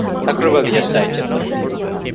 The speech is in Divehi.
ހަކުރުބަލި ޖައްސާ އެއްޗެއްތަ؟